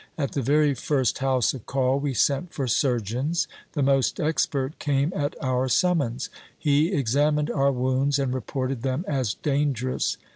At the very first house of call we sent for surgeons. The most expert came at our summons. He examined our wounds, and reported them as dangerous.